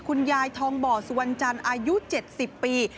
คุณยายทองบ่อสุวรรณจันทร์อายุ๗๐ปี